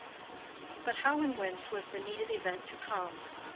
But how and whence was the needed event to come?